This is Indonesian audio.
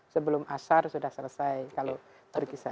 sebelum asar sudah selesai kalau berkisar